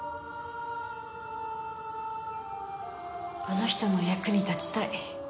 あの人の役に立ちたい。